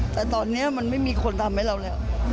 แต่ตอนนี้มันไม่มีคนทำให้เราแล้ว